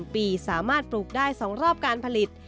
ปีสามารถปลูกได้๒รอบการผลิต